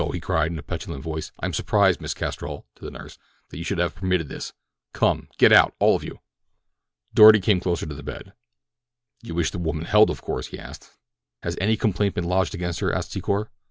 he cried in a petulant voice. "I am surprised, Miss Castrol," to the nurse, "that you should have permitted this—come, get out, all of you." Doarty came closer to the bed. "You wish this woman held, of course?" he asked. "Has any complaint been lodged against her?" asked Secor.